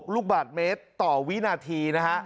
๒๖๘๖ลูกบาทเมตรต่อวินาทีนะครับ